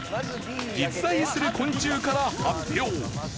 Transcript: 実在する昆虫から発表。